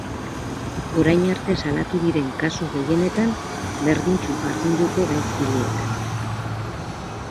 Orain arte salatu diren kasu gehienetan, berdintsu jardun dute gaizkileek.